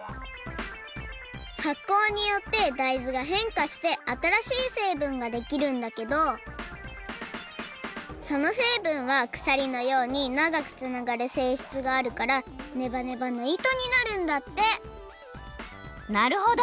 はっこうによって大豆がへんかしてあたらしいせいぶんができるんだけどそのせいぶんはくさりのようにながくつながるせいしつがあるからネバネバのいとになるんだってなるほど！